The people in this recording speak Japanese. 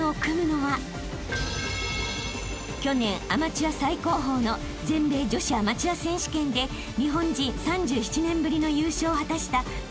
［去年アマチュア最高峰の全米女子アマチュア選手権で日本人３７年ぶりの優勝を果たした］